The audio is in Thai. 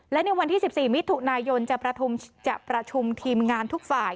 และในวันที่๑๔มิถุนายนจะประชุมทีมงานทุกฝ่าย